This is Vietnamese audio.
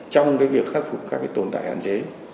trong cái việc khắc phục các cái tồn tại hạn chế